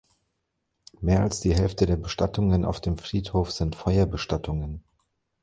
Mehr als die Hälfte der Bestattungen auf dem Friedhof sind Feuerbestattungen.